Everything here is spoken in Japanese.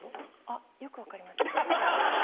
あっよく分かりますね。